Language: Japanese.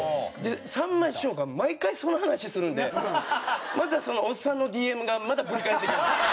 さんま師匠が毎回その話するんでまたそのおっさんのＤＭがまたぶり返してくる。